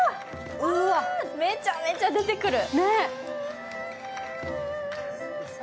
めちゃめちゃ出てくる。